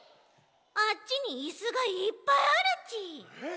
あっちにイスがいっぱいあるち！え？